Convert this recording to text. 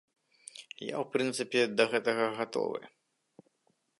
Я ў прынцыпе да гэтага гатовы.